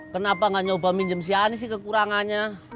kenapa gak nyoba minjem si anis kekurangannya